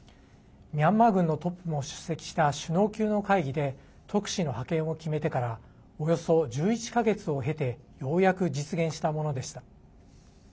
ミャンマー軍のトップも出席した首脳級の会議で特使の派遣を決めてからおよそ１１か月を経てようやく実現したものでした。